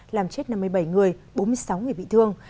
làm chết năm mươi bảy người bốn mươi sáu người bị thương